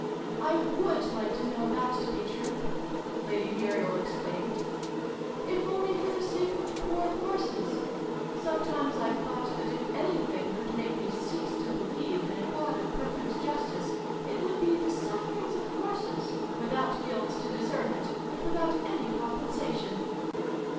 " I would like to know that to be true !" Lady Muriel exclaimed. "If only for the sake of trie poor horses. Sometimes I've thought that, if anything could make me cease to be lieve in a God of perfect justice, it would be the sufferings of horses without guilt to de serve it, and without any compensation